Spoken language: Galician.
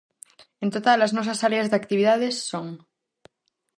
En total as nosas áreas de actividade son: